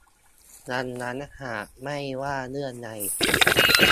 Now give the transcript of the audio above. ดังนั้นหากไม่ว่าเรื่องใด